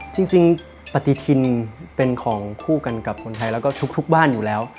จริงปฏิทินเป็นของคู่กันกับคนไทยแล้วก็ทุกบ้านอยู่แล้ว